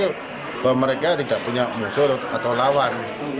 bahwa mereka tidak punya musuh atau lawan